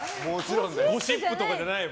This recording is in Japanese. ゴシップとかじゃないわ。